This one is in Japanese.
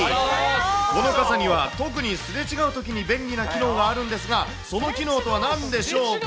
この傘には、特にすれ違うときに便利な機能があるんですが、その機能とはなんでしょうか。